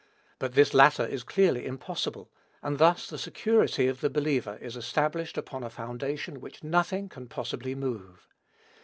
But this latter is clearly impossible, and thus the security of the believer is established upon a foundation which nothing can possibly move.